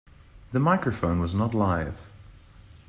The microphone was not live.